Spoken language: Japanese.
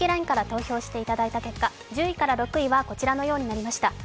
ＬＩＮＥから投票していただいた結果１０位から６位はこちらのようになりました。